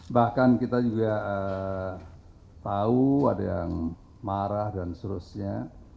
bahkan kita juga tahu ada yang marah dan seterusnya